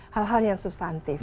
hal hal yang substantif